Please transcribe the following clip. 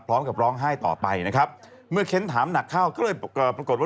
พร้อมกับร้องไห้ต่อไปนะครับเมื่อเค้นถามหนักเข้าก็เลยเอ่อปรากฏว่า